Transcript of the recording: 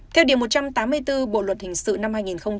theo điều một trăm tám mươi bốn bộ luật hình sự năm hai nghìn một mươi năm